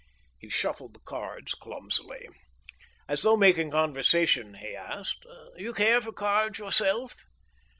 He shuffled the cards clumsily. As though making conversation, he asked: "You care for cards yourself?"